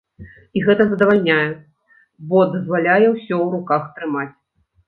І гэта задавальняе, бо дазваляе ўсё ў руках трымаць.